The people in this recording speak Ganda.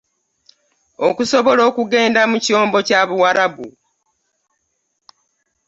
Okusobola okugenda mu kyombo kya Buwarabu